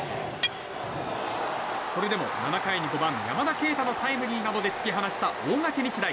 それでも７回に５番、山田渓太のタイムリーなどで突き放した大垣日大。